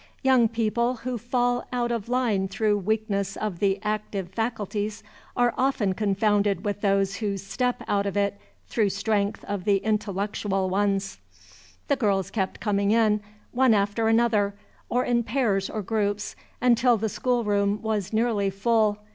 Young people who fall out of line through weakness of the active faculties are often confounded with those who step out of it through strength of the intellectual ones. The girls kept coming in, one after another, or in pairs or groups, until the schoolroom was nearly full.